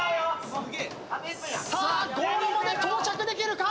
さあゴールまで到着できるか！？